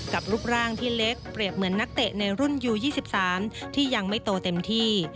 รูปร่างที่เล็กเปรียบเหมือนนักเตะในรุ่นยู๒๓ที่ยังไม่โตเต็มที่